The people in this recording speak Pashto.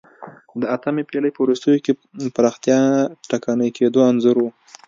د اتمې پېړۍ په وروستیو کې پراختیا ټکنۍ کېدو انځور و